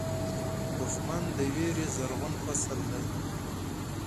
دښمن د وېرې زرغون فصل دی